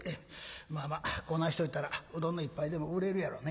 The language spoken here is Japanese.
まあまあこなんしといたらうどんの一杯でも売れるやろ。